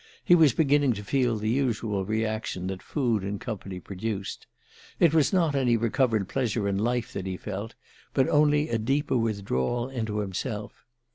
He was beginning to feel the usual reaction that food and company produced. It was not any recovered pleasure in life that he felt, but only a deeper withdrawal into himself.